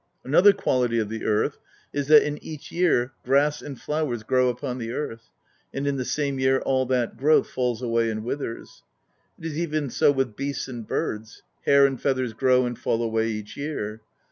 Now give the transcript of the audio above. Another quality of the earth is, that in each year grass and flowers grow upon the earth, and in the same year all that growth falls away and withers; it is even so with beasts and birds: hair and feathers grow and fall away each year.